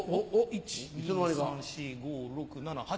１・２・３・４・５・６・７・８。